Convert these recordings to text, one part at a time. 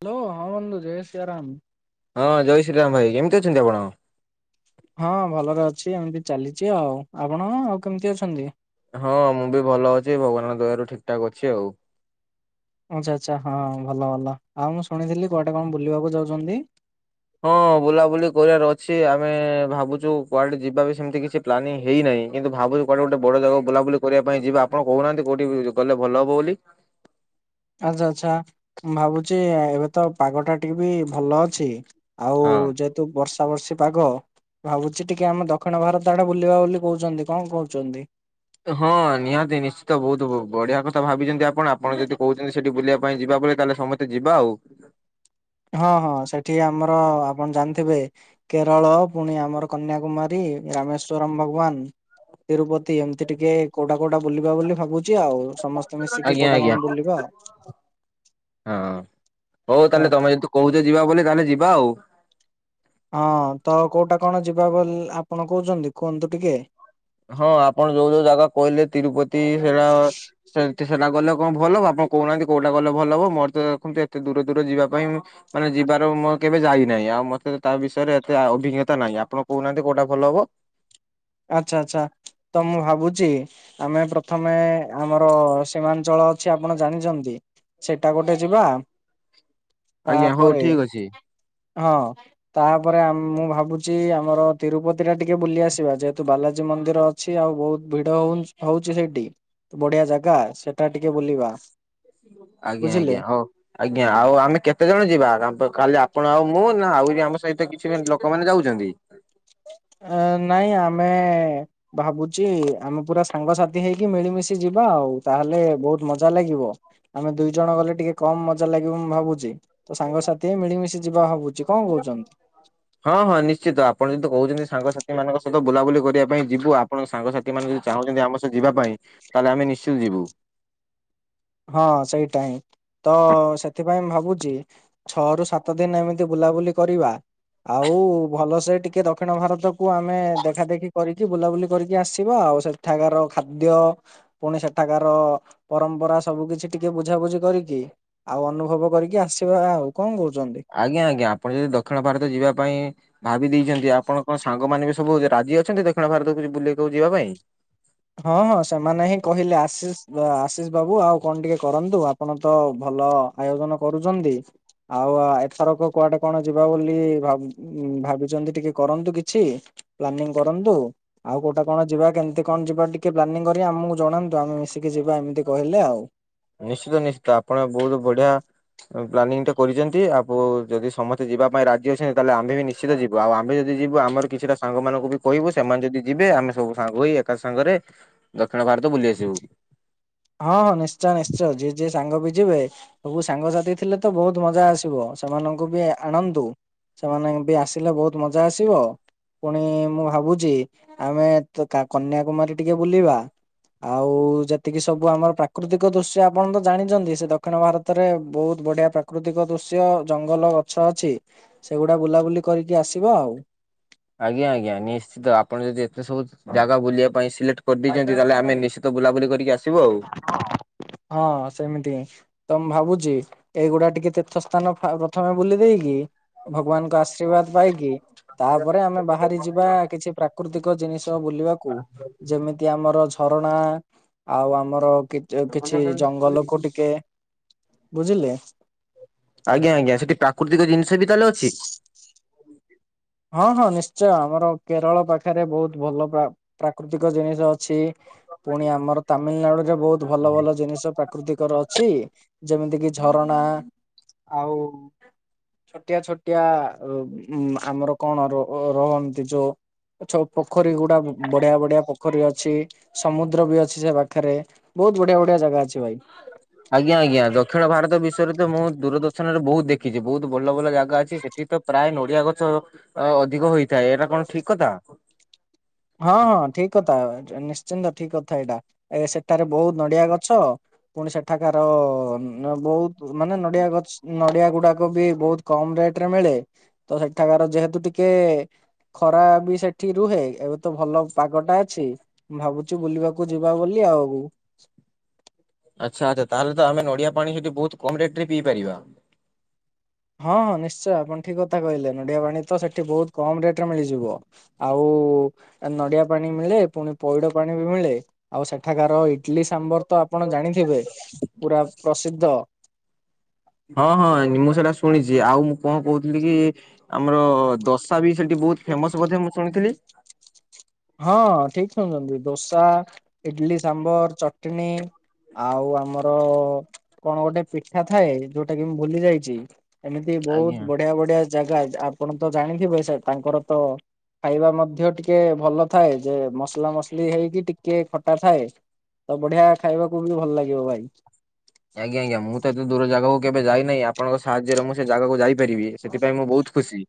Hello ହଁ ଜୟ ସୀୟା ରାମ। ହଁ ଜୟ ଶ୍ରୀରାମ ଭାଇ କେମିତି ଅଛନ୍ତି ଆପଣ? ହଁ ଭଲରେ ଅଛି ଏମିତି ଚାଲିଛି, ଆଉ ଆପଣ ଆଉ କେମିତି ଅଛନ୍ତି? ହଁ ମୁଁ ବି ଭଲ ଅଛି ଭଗବାନଙ୍କ ଦୟାରୁ ଠିକ୍ ଠାକ୍ ଅଛି ଆଉ। ଆଚ୍ଛା ଆଚ୍ଛା ହଁ ଭଲ ଭଲ ଆଉ ମୁଁ ଶୁଣିଥିଲି କୁଆଡେ କଣ ବୁଲିବାକୁ ଯାଉଛନ୍ତି? ହଁ ବୁଲାବୁଲି କରିବାର ଅଛି ଆମେ ଭାବୁଛୁ କୁଆଡେ ଯିବା ବି ସେମିତି କିଛି ପ୍ଲାନିଂ ହେଇନାହିଁ କିନ୍ତୁ ଭାବୁଚୁ କୁଆଡେ ଗୋଟେ ବଡ ଜାଗା ବୁଲାବୁଲି କରିବା ପାଇଁ ଯିବେ ଆପଣ କହୁନାହାନ୍ତି କୋଉଠି ଗଲେ ଭଲ ହବ ବୋଲି। ଆଚ୍ଛା ଆଚ୍ଛା ମୁଁ ଭାବୁଛି ଏବେ ତ ପାଗଟା ଟିକେ ବି ଭଲ ଅଛି। ଆଉ ହଁ। ଯେହେତୁ ବର୍ଷା ବର୍ଷୀ ପାଗ। ଭାବୁଛି ଟିକେ ଆମେ ଦକ୍ଷିଣ ଭାରତ ଆଡେ ବୁଲିବା ବୋଲି କହୁଛନ୍ତି କଣ କହୁଛନ୍ତି? ହଁ ନିହାତି ନିଶ୍ଚିତ ବହୁତ ବଢିଆ କଥା ଭାବିଛନ୍ତି ଆପଣ ଆପଣ ଯଦି କହୁଛନ୍ତି ସେଠି ବୁଲିବା ପାଇଁ ଯିବା ବୋଲି ତାହେଲେ ସମସ୍ତେ ସମସ୍ତେ ଯିବା ଆଉ। ହଁ ହଁ ସେଠି ଆମର ଆପଣ ଜାଣିଥିବେ କେରଳ ପୁଣି ଆମର କନ୍ୟାକୁମାରୀ ରାମେଶ୍ଵରମ ଭଗବାନ। ତିରୁପତି ଏମିତି ଟିକେ। କୋଉଟା କୋଉଟା ବୁଲିବା ବୋଲି ଭାବୁଛି ଆଉ ସମସ୍ତେ ମିଶିକି ଆଜ୍ଞା କୋଉଟା ଆଜ୍ଞା କଣ ବୁଲିବା ଆଉ। ହଁ ହଉ ଆଉ। ତାହେଲେ ତମେ ଯଦି କହୁଛ ଯିବା ବୋଲି ତାହେଲେ ଯିବା ଆଉ। ହଁ ତ କୋଉଟା କଣ ଯିବା ବୋଲି ଆପଣ କହୁଛନ୍ତି କୁହନ୍ତୁ ଟିକେ? ହଁ ଆପଣ ଯୋଉ ଯୋଉ ଜାଗା କହିଲେ ତିରୁପତି ହେରା ସେ ସେଟା ଗଲେ କଣ ଭଲ ହବ ଆପଣ କହୁନାହାନ୍ତି କୋଉଟା ଗଲେ ଭଲ ହବ ମୋର ତ ଦେଖନ୍ତୁ ଏତେ ଦୂର ଦୂର ଯିବା ପାଇଁ ମାନେ ଯିବାର ମୁଁ କେବେ ଯାଇନାହିଁ, ଆଉ ମତେ ତା ବିଷୟରେ ଏତେ ଅଭିଜ୍ଞତା ନାହିଁ, ଆପଣ କହୁନାହାନ୍ତି କୋଉଟା ଭଲ ହବ? ଆଚ୍ଛା ଆଚ୍ଛା ତ ମୁଁ ଭାବୁଛି। ଆମେ ପ୍ରଥମେ ଆମର ସୀମାଞ୍ଚଳ ଅଛି ଆପଣ ଜାଣିଛନ୍ତି। ସେଇଟା ଗୋଟେ ଯିବା। ଆଜ୍ଞା ହଉ ତାପରେ ଠିକ ଅଛି ହଁ ତାପରେ ମୁଁ ଭାବୁ ଚି ଆମର ତିରୁପତି ଟା ଟିକେ ବୁଲି କୁ ଯିବା, [unintelligible] ବାଲାଜୀ ମନ୍ଦିର ଅଛି ଆଉ ବହୁତ ଭିଡ ହଉ ହଉଛି ସେଇଠି। ବଢିଆ ଜାଗା ସେଟା ଟିକେ ବୁଲିବା। ଆଜ୍ଞା ବୁଝିଲେ ଆଜ୍ଞା ହଉ। ଆଜ୍ଞା ଆଉ ଆମେ କେତେ ଜଣ ଯିବା କାଲି ଆପଣ ଆଉ ମୁଁ ନା ଆହୁରି ଆମ ସହିତ କିଛି ଲୋକମାନୋନ ଯାଉଛନ୍ତି? ଆ ନାଇଁ ଆମେ। ଭାବୁଛି ଆମେ ପୁରା ସାଙ୍ଗସାଥି ହେଇକି ମିଳିମିଶି ଯିବା ଆଉ ତାହେଲେ ବହୁତ ମଜା ଲାଗିବ। ଆମେ ଦୁଇ ଜଣ ଗଲେ ଟିକେ କମ ମଜା ଲାଗିବ ମୁଁ ଭାବୁଛି। ତ ସାଙ୍ଗସାଥି ହେଇ ମିଳିମିଶି ଯିବା ଭାବୁଛି କଣ କହୁଛନ୍ତି। ହଁ ହଁ ନିଶ୍ଚିତ ଆପଣ ଯଦି କହୁଛନ୍ତି ସାଙ୍ଗସାଥି ମାନଙ୍କ ସହିତ ବୁଲାବୁଲି କରିବା ପାଇଁ ଯିବୁ ଆପଣଙ୍କ ସାଙ୍ଗସାଥି ମାନେ ଯଦି ଚାହୁଁଛନ୍ତି ଆମ ସହ ଯିବା ପାଇଁ ତାହେଲେ ଆମେ ନିଶ୍ଚିତ ଯିବୁ। ହଁ ସେଇଟା ହିଁ ତ ସେଥିପାଇଁ ମୁଁ ଭାବୁଛି। ଛଅ ରୁ ସାତ ଦିନ ଏମିତି ବୁଲାବୁଲି କରିବା। ଆଉ ଭଲସେ ଟିକେ ଦକ୍ଷିଣ ଭାରତକୁୁ ଆମେ ଦେଖା ଦେଖି କରିକି ବୁଲାବୁଲି କରିକି ଆସିବା ଆଉ ସେ ସେଠାକାର ଖାଦ୍ୟ ପୁଣି ସେଠାକାର ପରମ୍ପରା। ସବୁ କିଛି ଟିକେ ବୁଝାବୁଝି କରିକି ଆଉ ଅନୁଭବ କରିକି ଆସିବା ଆଉ କଣ କହୁଛନ୍ତି? ଆଜ୍ଞା ଆଜ୍ଞା। ଆପଣ ଯଦି ଦକ୍ଷିଣ ଭାରତ ଯିବା ପାଇଁ ଭାବି ଦେଇଛନ୍ତି ଆପଣଙ୍କ ସାଙ୍ଗମାନେ ବି ସବୁ ରାଜି ଅଛନ୍ତି ଦକ୍ଷିଣ ଭାରତକୁ ବୁଲିବାକୁ ଯିବା ପାଇଁ। ହଁ ହଁ ସେମାନେ ହିଁ କହିଲେ ଆଶିଷ୍ ଆଶିଷ ବାବୁ ଆଉ କଣ ଟିକେ କରନ୍ତୁ। ଆପଣ ତ ଭଲ ଆୟୋଜନ କରୁଛନ୍ତି। ଆଉ ଆ ଏଥରକ କୁଆଡେ କଣ ଯିବା ବୋଲି ଭାବି ଭାବିଛନ୍ତି ଟିକେ କରନ୍ତୁ କିଛି। ପ୍ଲାନିଂ କରନ୍ତୁ ଆଉ କୋଉଟା କଣ ଯିବା କେମିତି। କଣ ଯିବା ଟିକେ ପ୍ଲାନିଂ କରିବା ଆମକୁ ଜଣାନ୍ତୁ ଆମେ ମିଶିକି ଯିବା ଏମିତି କହିଲେ ଆଉ। ନିଶ୍ଚିତ ନିଶ୍ଚିତ ଆପଣ ବହୁତ ବଢିଆ। ପ୍ଲାନିଂଟେ କରିଛନ୍ତି ଆପୁ ଯଦି ସମସ୍ତେ ଯିବା ପାଇଁ ରାଜି ଅଛନ୍ତି ତାହେଲେ ଆମେ ବି ନି ନିଶ୍ଚିତ ଯିବୁ ଆଉ ଆମେ ଯଦି ଯିବୁ ଆମର କିଛିଟା ସାଙ୍ଗମାନଙ୍କୁ ବି କହିବୁ ସେମାନେ ଯଦି ଯିବେ ଆମେ ସବୁ ସାଙ୍ଗ ହୋଇ ଏକା ସାଙ୍ଗରେ। ଦକ୍ଷିଣ ଭାରତ ବୁଲି ଆସିବୁ। ହଁ ହଁ ନିଶ୍ଚୟ ନିଶ୍ଚୟ ଯିଏ ଯିଏ ସାଙ୍ଗ ବି ଯିବେ। ସବୁ ସାଙ୍ଗସାଥି ଥିଲେ ତ ବହୁତ ମଜା ଆସିବ ସେମାନଙ୍କୁ ବି ଆଣନ୍ତୁ। ସେମାନେଙ୍କ ବି ଆସିଲେ ବହୁତ ମଜା ଆସିବ। ପୁଣି ମୁଁ ଭାବୁଛି ଆମେ କନ୍ୟାକୁମାରୀ ଟିକେ ବୁଲିବା। ଆଉ ଯେତିକି। ସବୁ ଆମର ପ୍ରାକୃତିକ ଦୃଶ୍ୟ ଆପଣ ତ ଜାଣିଛନ୍ତି ସେ ଦକ୍ଷିଣ ଭାରତରେ ବହୁତ ବଢିଆ ପ୍ରା ପ୍ରାକୃତିକ ଦୃଶ୍ୟ ଜଙ୍ଗଲ ଗଛ ଅଛି ସେଗୁଡା ବୁଲାବୁଲି କରିକି ଆସିବା ଆଉ। ଆଜ୍ଞା ଆଜ୍ଞା ନିଶ୍ଚିତ ଆପଣ ଯଦି ଏତେ ସବୁ। ଜାଗା ବୁଲିବା ପାଇଁ ସିଲେକ୍ଟ କରିଦେଇଛନ୍ତି ତାହେଲେ ଆମେ ନିଶ୍ଚିତ ବୁଲାବୁଲି କରିକି ଆସିବୁ ଆଉ। ହଁ ସେମିତି ହିଁ। ତ ମୁଁ ଭାବୁଛି ଏଇଗୁଡା ଟିକେ ତୀର୍ଥ ସ୍ଥାନ ପ୍ରଥମେ ବୁଲି ଦେଇକି। ଭଗବାନଙ୍କ ଆଶୀର୍ବାଦ ପାଇକି। ତାପରେ ଆମେ ବାହାରି ଯିବା କିଛି ପ୍ରାକୃତିକ ଜିନିଷ ବୁଲିବାକୁ ଯେମିତି। ତି ଆମର ଝରଣା। ଆଉ ଆମର କି କିଛି ଜଙ୍ଗଲକୁ ଟିକେ ବୁଝିଲେ। ଆଜ୍ଞା ଆଜ୍ଞା ସେଠି ପ୍ରାକୃତିକ ଜିନିଷ ବି ତାହେଲେ ଅଛି। ହଁ ହଁ ନିଶ୍ଚୟ ଆମର କେରଳ ପାଖରେ ବହୁତ ଭଲ ପା ପ୍ରାକୃତିକ ଜିନିଷ। ଅଛି। ପୁଣି ଆମର ତାମିଲନାଡୁ ରେ ବହୁତ ଭଲ ଭଲ ଜିନିଷ ପ୍ରାକୃତିକର ଅଛି। ଯେମିତି କିି ଝରଣା ଆଉ। ଛୋଟିଆ ଛୋଟିଆ ଅବ ଉଁ ଆମର କଣ ର ରହନ୍ତି ଯୋଉ। ଛୋ ପୋଖରୀ ଗୁଡା ବଢିଆ ବଢିଆ ପୋଖରୀ ଅଛି ସମୁଦ୍ର ବି ଅଛି ସେ ପାଖରେ। ବହୁତ ବଢିଆ ବଢିଆ ଜାଗା ଅଛି ଭାଇ। ଆଜ୍ଞା। ଆଜ୍ଞା। ଦକ୍ଷିଣ ଭାରତ ବିଷୟରେ ତ ମୁଁ ଦୂରଦର୍ଶନରେ ବହୁତ ଦେଖିଛି ବହୁତ ଭଲ ଭଲ ଜାଗା ଅଛି। ସେ ସେଠୀ ତ ପ୍ରାୟ ନଡିଆ ଗଛ ଅ ଅଧିକ ହେଇଥାଏ ଏଇଟା କଣ ଠିକ କଥା? ହଁ ହଁ ଠିକ କଥା ନିଶ୍ଚିନ୍ତ ଠିକ କଥା। ଏଇଟା ଏ ସେଠାରେ ବହୁତ ନଡିଆ ଗଛ ପୁଣି ସେଠାକାର ବହୁତ ମାନେ ନଡିଆ ଗଛ ନଡିଆ ଗୁଡାକ ବି ବହୁତ କମ ରେଟ ରେ ମିଳେ। ତ ସେଠାକାର ଯେହେତୁ ଟିକେ ଖରା ବି ସେଠି ରୁହେ। ଏ ଏତେ ଭଲ ପାଗଟା ଅଛି ମୁ ଭାବୁଛି ବୁଲିବାକୁ ଯିବା ବୋଲି ଆଉ। ଆଚ୍ଛା ଆଚ୍ଛା, ତାହେଲେ ତ ଆମେ ନଡିଆ ପାଣି ସେଠି ବହୁତ କମ ରେଟ ରେ ପିଇ ପାରିବା। ହଁ ହଁ ନିଶ୍ଚୟ ଆପଣ ଠିକ କଥା କହିଲେ ନଡିଆ ପାଣି ତ ସେଠି ବହୁତ କମ ରେଟ ରେ ମିଳିଯିବ। ଆଉ ନଡିଆ ପାଣି ମିଳେ ପୁଣି ପଇଡ ପାଣି ବି ମିଳେ ଆଉ ସେଠାକାର ଇଡଲି ସାମ୍ବର ତ ଆପଣ ଜାଣିଥିବେ ପୁରା ପ୍ରସିଦ୍ଧ ହଁ ହଁ ମୁଁ ସେଇଟା ଶୁଣିଛି ଆଉ ମୁଁ କଣ କହୁଥିଲି କି ଆମର ଦୋସା ବି ସେଠି ବହୁତ ଫେମସ ବ ମୁଁ ଶୁଣିଥିଲି। ହଁ ଠିକ ଶୁଣିଛନ୍ତି ଦୋସା ଇଡଲି ସାମ୍ବର ଚଟଣୀ ଆଉ ଆମର କଣ ଗୋଟେ ପିଠା ଥାଏ ଯୋଉଟା କି ମୁଁ ଭୁଲି ଯାଇଛି। ଏମିତି ଆଜ୍ଞା। ବହୁତ ବଢିଆ ବଢିଆ ଜାଗା ଆପଣ ତ ଜାଣିଥିବେ ସ ତାଙ୍କର ତ ଖାଇବା ମଧ୍ୟ ଟିକେ ଭଲ ଥାଏ ଯେ ମସଲା ମସଲି ହେଇକି ଟିକେ ଖଟା ଥାଏ। ତ ବଢିଆ ଖାଇବାକୁ ବି ଭଲ ଲାଗିବ ଭାଇ ଆଜ୍ଞା ଆଜ୍ଞା ମୁଁ ତ ଏତେ ଦୂର ଜାଗାକୁ କେବେ ଯାଇନାହିଁ ଆପଣଙ୍କ ସାହାଯ୍ୟରେ ମୁଁ ସେ ଜାଗାକୁ ଯାଇପାରିବି ସେଥିପାଇଁ ମୁଁ ବହୁତ ଖୁସି।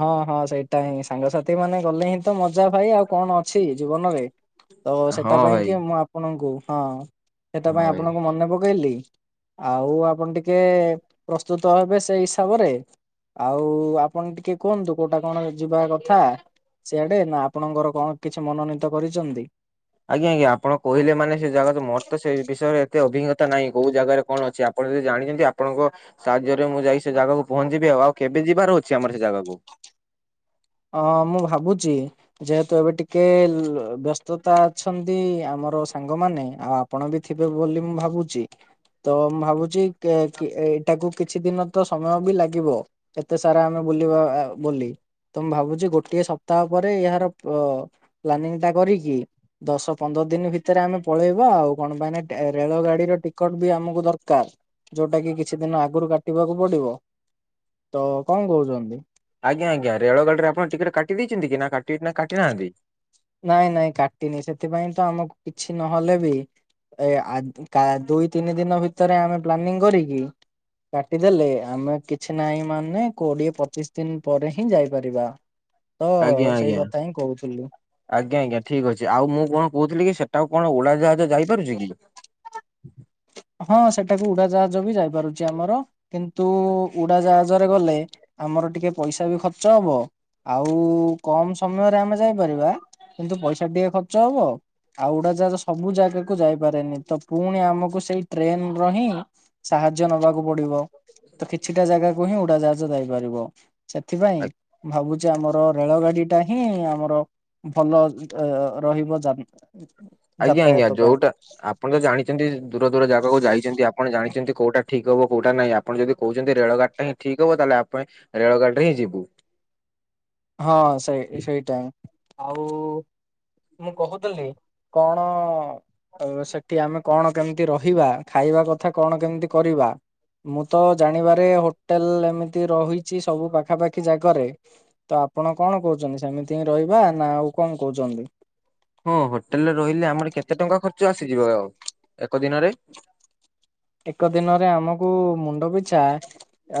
ହଁ ହଁ ସେଇଟା ହିଁ ସାଙ୍ଗସାଥି ମାନେ ଗଲେ ହିଁ ତ ମଜା ଭାଇ ଆଉ କଣ ଅଛି ଜୀବନରେ ତ ହଁ ସେଟା ପାଇଁ ଭାଇ କି ମୁଁ ଆ ଆପଣଙ୍କୁ ହଁ ସେଟ ହଁ ପାଇଁ ଭାଇ। ଆପଣଙ୍କୁ ମନେ ପକେଇଲି ଆଉ ଆପଣ ଟିକେ ପ୍ରସ୍ତୁତ ହେବେ ସେଇ ହିସାବରେ ଆଉ ଆପଣ ଟିକେ କୁହନ୍ତୁ କୋଉଟା କଣ ଯିବା କଥା ସେଆଡେ ନା ଆପଣଙ୍କର କଣ କିଛି ମନୋନୀତ କରିଛନ୍ତି? ଆଜ୍ଞା ଆଜ୍ଞା ଆପଣ କହିଲୋନ ସେ ଜାଗା ମୋର ତ ସେ ବିଷୟରେ ଏତେ ଅଭିଜ୍ଞତା ନାହିଁ କୋଉ ଜାଗାରେ କଣ ଅଛି। ଆପଣ ଯଦି ଜାଣିଛନ୍ତି ଆପଣଙ୍କ ସାହାଯ୍ୟରେ ମୁଁ ଯାଇ ସେ ଜାଗାକୁ ପହଞ୍ଚିବି ଆଉ ଆଉ କେବେ ଯିବାର ଅଛି ଆମର ସେ ଜାଗାକୁ ହଁ ମୁଁ ଭାବୁଛି। ଯେହେତୁ ଏବେ ଟିକେ ବ୍ୟସ୍ତତା ଅଛନ୍ତି ଆମର ସାଙ୍ଗମାନେ ଆଉ ଆ ଆପଣ ବି ଥିବେ ବୋଲି ମୁଁ ଭାବୁଛି ତ ମୁଁ ଭାବୁଛି ଏଇଟାକୁ କିଛି ଦିନ ତ ସମୟ ବି ଲାଗିବ ଏତେ ସାରା ଆମେ ବୁଲିବା ଅ ବୋଲି। ତ ମୁଁ ଭାବୁଛି ଗୋଟିଏ ସପ୍ତାହ ପରେ ଏହାର ଅ ପ୍ଲାନିଂ ଟା କରିକି ଦଶ ପନ୍ଦର ଦିନ ଭିତରେ ଆମେ ପଳେଇବା ଆଉ କଣ ପାଇଁ ଟା ରେଳ ଗାଡିର ଟିକଟ ବି ଆମକୁ ଦରକାର। ଯୋଉଟା କି କିଛି ଦିନ ଆଗରୁ କାଟିବାକୁ ପଡିବ ତ କଣ କହୁଛନ୍ତି? ଆଜ୍ଞା ଆଜ୍ଞା ରେଳଗାଡି ର ଆପଣ ଟିକେଟ କାଟି ଦେଇଛନ୍ତି କି ନା କାଟିନାହାନ୍ତି ନାଇଁ ନାଇଁ କାଟିନି ସେଥିପାଇଁ ତ ଆମକୁ କିଛି ନହେଲେ ବି ଏ ଦୁଇ ତିନି ଦିନ ଭିତରେ ଆମେ ପ୍ଲାନିଂ କରିକି କାଟିଦେଲେ ଆମେ କିଛି ନାହିଁ ମାନେ କୋଡିଏ ପଚିଶ ଦିନ ପରେ ହିଁ ଯାଇପାରିବା। ତ ଆଜ୍ଞା ସେଇ ଆଜ୍ଞା କଥା ହିଁ କହୁଥିଲୁ। ଆଜ୍ଞା ଆଜ୍ଞା ଠିକ ଅଛି ଆଉ ମୁଁ କଣ କହୁଥିଲି କି ସେଟାଉ କଣ ଓଡାଜାହାଜ ଯାଇପାରୁଛି କି? ହଁ ସେଟାକୁ ଉଡାଜାହାଜ ବି ଯାଇପାରୁଛି ଆମର କିନ୍ତୁ ଉଡାଜାହାଜରେ ଗଲେ ଆମର ଟିକେ ପଇସା ବି ଖର୍ଚ୍ଚ ହବ। ଆଉ କମ ସମୟରେ ଆମେ ଯାଇପାରିବା କିନ୍ତୁ ପଇସା ଟିକେ ଖର୍ଚ୍ଚ ହବ। ଆଉ ଉଡାଜାହାଜ ସବୁ ଜାଗାକୁ ଯାଇପାରେନି। ତ ପୁଣି ଆମକୁ ସେଇ ଟ୍ରେନ ର ହିଁ ସାହାଯ୍ୟ ନବାକୁ ପଡ଼ିବ। ତ କିଛିଟା ଜାଗା ହିଁ ଉଡାଜାହାଜ ଯାଇପାରିବ। ସେଥିପାଇଁ ଭାବୁଛି ଆମର ରେଳଗାଡି ଟା ହିଁ ଆମର ଭଲ ରହିବ ଆଜ୍ଞା ଆଜ୍ଞା ଯାତାୟାତ ପାଇଁ ଯୋଉଟା ଆପଣ ତ ଜାଣିଛନ୍ତି, ଦୂର ଦୂର ଜାଗାକୁ ଯାଇଛନ୍ତି, ଆପଣ ଜାଣିଛନ୍ତି କୋଉଟା ଠିକ୍ ଠିକ ହବ କୋଉଟା ନାହିଁ। ଆପଣ ଯଦି କହୁଛନ୍ତି ରେଳ ଗାଡିଟା ହିଁ ଠିକ ହବ ତାହେଲେ [unintelligible] ରେଳଗାଡ଼ି ରେ ହିଁ ଯିବୁ। ହଁ ସେଇ ସେଇଟା ଆଉ ମୁଁ କହୁଥିଲି କଣ ସେଠି ଆମେ କଣ କେମିତି ରହିବା, ଖାଇବା କଥା କଣ କେମିତି କରିବା? ମୁଁ ତ ଜାଣିବାରେ ହୋଟେଲ ଏମିତି ରହିଛି ସବୁ ପାଖାପାଖି ଜାଗ ରେ। ତ ଆପଣ କଣ କହୁଛନ୍ତି ସେମିତି ହିଁ ରହିବା ନା ଆଉ କଣ କହୁଛନ୍ତି? ହଁ ହୋଟେଲରେ ରହିଲେ ଆମର କେତେ ଟଙ୍କା ଖର୍ଚ୍ଚ ଆସିଯିବ ଆଉ ଏକ ଦିନରେ? ଏକ ଦିନରେ ଆମକୁ ମୁଣ୍ଡ ପିଛା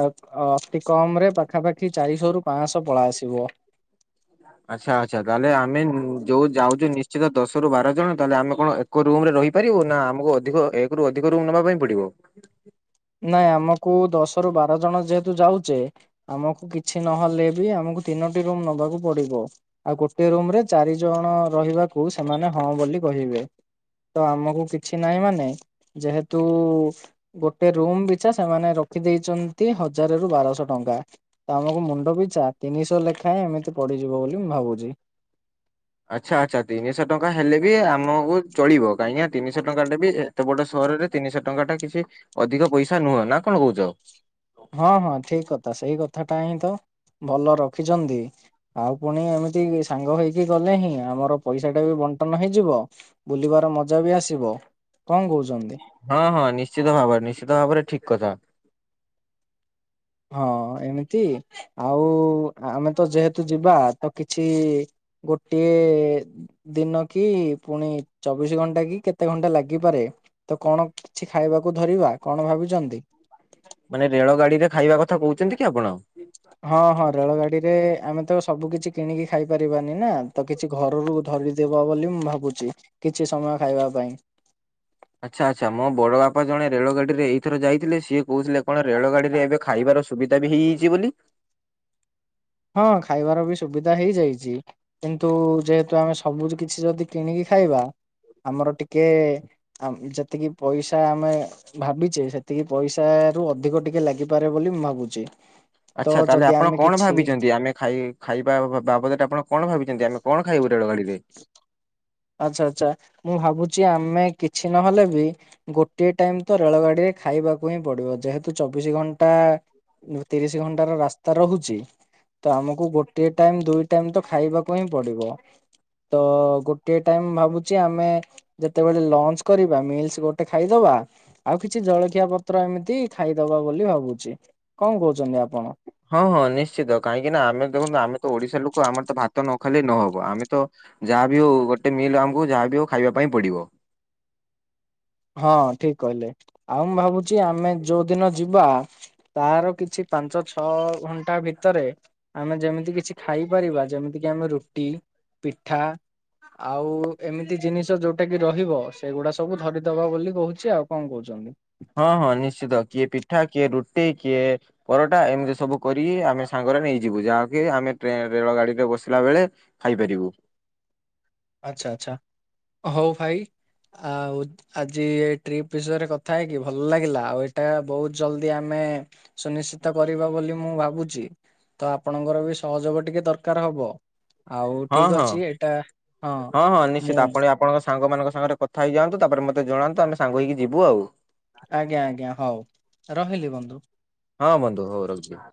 ଏ ଅତି କମ ରେ ପାଖାପାଖି ଚାରିଶହ ରୁ ପାଞ୍ଚଶହ ପଳା ଆସିବ। ଆଚ୍ଛା ଆଚ୍ଛା। ତାହେଲେ ଆମେ ଉ ଯୋଉ ଯାଉଛୁ ନିଶ୍ଚିତ ଦଶ ରୁ ବାର ଜଣ ତାହେଲେ ଆମେ କଣ ଏ ଏକ ରୁମ ରେ ରହିପାରିବୁ ନା ଆମକୁ ଅଧିକ ଏକ ରୁ ଅଧିକ ରୁମ ନବା ପାଇଁ ପଡିବ? ନାଇଁ ଆମକୁ ଦଶ ରୁ ବାର ଜଣ ଯେହେତୁ ଯାଉଛେ ଆମକୁ କିଛି ନହେଲେ ବି ଆମକୁ ତିନୋଟି ରୁମ ନବାକୁ ପଡ଼ିବ। ଆଉ ଗୋଟେ ରୁମ ରେ ଚାରି ଜଣ ରହିବାକୁ ସେମାନେ ହଁ ବୋଲି କହିବେ। ତ ଆମକୁ କିଛି ନାହିଁ ମାନେ ଯେହେତୁ ଗୋଟ ରୁମ ପିଛା ସେମାନେ ରଖି ଦେଇଛନ୍ତି ହଜାର ରୁ ବାରଶହ ଟଙ୍କା। ତ ଆମକୁ ମୁଣ୍ଡ ପିଛା ତିନିଶହ ଲେଖାଏଁ ଏମତି ପଡ଼ିଯିବ ବୋଲି ମୁଁ ଭାବୁଛି। ଆଚ୍ଛା ଆଚ୍ଛା। ତିନିଶହ ଟଙ୍କା ହେଲେ ବି ଆମକୁ ଚଳିବ। କାହିଁକିନା ତିନିଶହ ଟଙ୍କା ଟା ବି ଏ ତେ ବଡ଼ ସହରରେ ତିନିଶହ ଟଙ୍କା ଟା କିଛି ଅଧିକ ପଇସା ନୁହେଁ ନା କଣ କହୁଛ। ହଁ ହଁ ଠିକ କଥା। ସେଇ କଥା ଟା ହିଁ ତ ଭଲ ରଖିଛନ୍ତି। ଆଉ ପୁଣି ଏମିତି ସାଙ୍ଗ ହେଇକି ଗଲେ ହିଁ ଆମର ପଇସା ଟା ବି ବଣ୍ଟନ ହେଇଯିବ। ବୁଲିବାର ମଜା ବି ଆସିବ। କଣ କହୁଛନ୍ତି? ହଁ ହଁ ନିଶ୍ଚିତ ଭାବରେ ନିଶ୍ଚିତ ଭାବରେ ଠିକ କଥା। ହଁ ଏମିତି। ଆଉ ଆମେ ତ ଯେହେତୁ ଯିବା ତ କିଛି ଗୋଟିଏ ଦିନ କି ପୁଣି ଚବିଶି ଘଣ୍ଟା କି କେତେ ଘଣ୍ଟା ଲାଗିପାରେ। ତ କଣ କିଛି ଖାଇବାକୁ ଧରିବା? କଣ ଭାବିଛନ୍ତି? ମାନେ ରେଳ ଗାଡି ରେ ଖାଇବା କଥା କହୁଛନ୍ତି କି ଆପଣ? ହଁ ହଁ ରେଳ ଗାଡି ରେ ଆମେ ତ ସବୁ କିଛି କିଣିକି ଖାଇପାରିବାନି ନା ତ କି ଛି ଘରରୁ ଧରିକି ଯିବା ବୋଲି ମୁଁ ଭାବୁଛି, କିଛି ସମୟ ଖାଇବା ପାଇଁ। ଆଚ୍ଛା ଆଚ୍ଛା, ମୋ ବଡ଼ ବାପା ଜଣେ ରେଳଗାଡିରେ ଏଇଥର ଯାଇଥିଲେ। ସିଏ କହୁଥିଲେ କଣ ରେଳ ଗାଡିରେ ଏବେ ଖାଇବାର ସ ସୁବିଧା ବି ହେଇଯାଇଛି ବୋଲି। ହଁ, ଖାଇବାର ବି ସୁବିଧା ହେଇଯାଇଛି। କିନ୍ତୁ ଯେହେତୁ ଆମେ ସବୁ ଯୁ କିଛି ଯଦି କିଣିକି ଖାଇବା ଆମର ଟିକେ ଆମ୍ ଯେତିକି ପଇସା ଆମେ ଭାବିଛେ ସେତିକି ପଇସା ରୁ ଅଧିକ ଟିକେ ଲାଗିପାରେ ବୋଲି ମୁଁ ଭାବୁଛି। ତ ଆଚ୍ଛା, ତାହେଲେ ଯଦି ଆପଣ ଆମେ କଣ କିଛି ଭାବିଛ ଦି ଆମେ ଖାଇ ଖାଇବା ବାବଦରେ ଆପଣ କଣ ଭାବିଛନ୍ତି, ଆମେ କଣ ଖାଇବୁ ରେଳଗାଡ଼ି ରେ? ଆଚ୍ଛା ଆଚ୍ଛା ମୁଁ ଭାବୁଛି ଆମେ କିଛି ନହେଲେ ବି ଗୋଟିଏ ଟାଇମ ତ ରେଳଗାଡିରେ ଖାଇବାକୁ ହିଁ ପଡିବ। ଯେହେତୁ ଚବିଶି ଘଣ୍ଟା ମୁଁ ତିରିଶ ଘଣ୍ଟାର ରାସ୍ତା ରହୁଛି। ତ ଆମକୁ ଗୋଟେ ଟାଇମ ଦୁଇ ଟାଇମ ତ ଖାଇବାକୁ ହିଁ ପଡିବ ତ ଗୋ ଗୋଟିଏ ଟାଇମ ଭାବୁଛି ଆମେ ଯେତେବେଳେ ଲଞ୍ଚ୍ କରିବା ମିଲ୍ସ ଗୋଟେ ଖାଇଦବା। ଆଉ କିଛି ଜଳଖିଆ ପତ୍ର ଏମିତି ଖାଇଦବା ବୋଲି ଭାବୁଛି, କଣ କହୁଛନ୍ତି ଆପଣ? ହଁ-ହଁ, ନିଶ୍ଚିତ କାହିଁକି ନା ଆମେ ଦେଖନ୍ତୁ ଆମେ ତ ଓଡିଶା ଲୋକ ଆମର ତ ଭାତ ନ ଖାଇଲେ ନ ହବ ଆମେ ତ ଯାହାବି ହଉ ଗୋଟେ ମିଲ୍ ଆମକୁ ଯାହାବି ହଉ ଖାଇବା ପାଇଁ ପଡିବ। ହଁ ଠିକ୍ କହିଲେ, ଆଉ ମୁଁ ଭାବୁଛି ଆମେ ଯୋଉଦିନ ଯିବା ତାର କିଛି ପାଞ୍ଚ ଛଅ ଘଣ୍ଟା ଭିତରେ ଆମେ ଯେମିତି କିଛି ଖାଇପାରିବା ଯେମିତି କିି ଆମେ ରୁଟି ପିଠା। ଆଉ ଏମିତି ଜିନିଷ ଯୋଉଟା କି ରହିବ ସେଗୁଡା ସବୁ ଧରି ଦବା ବୋଲି କହୁଛି ଆଉ କଣ କହୁଛନ୍ତି? ହଁ-ହଁ ନିଶ୍ଚିତ କିଏ ପିଠା କିଏ ରୁଟି କିଏ ପରଟା ଏମିତି ସବୁ କରିକି ଆମେ ସାଙ୍ଗରେ ନେଇଯିବୁ ଯାହାକି ଆମେ ଟ୍ରେନ ରେଳ ଗାଡିରେ ବସିଲା ବେଳେ ଖାଇପାରିବୁ। ଆଚ୍ଛା-ଆଚ୍ଛା, ହଉ ଭାଇ ଆଉ ଆଜି ଏ ଟ୍ରିପ୍ ବିଷୟରେ କଥା ହେଇକି ଭଲ ଲାଗିଲା ଆଉ ଏଇଟା ବହୁତ ଜଲଦି ଆମେ ସୁନିଶ୍ଚିତ କରିବା ବୋଲି ମୁଁ ଭାବୁଛି ତ ଆପଣଙ୍କର ବି ସହଯୋଗ ଟିକେ ଦରକାର ହବ। ଆଉ ଠିକ୍ ଅଛି ଏଇଟା ହଁ ହଁ-ହଁ ମୁଁ ନିଶ୍ଚିତ ଆପଣ ଆପଣଙ୍କ ସାଙ୍ଗମାନଙ୍କ ସାଙ୍ଗରେ କଥା ହେଇଯାଆନ୍ତୁ ତାପରେ ମତେ ଜଣାନ୍ତୁ ଆମେ ସାଙ୍ଗ ହେଇକି ଯିବୁ ଆଉ। ଆଜ୍ଞା-ଆଜ୍ଞା ହଉ ରହିଲି ବନ୍ଧୁ। ହଁ ବନ୍ଧୁ ହଉ ରଖିଦିଅ।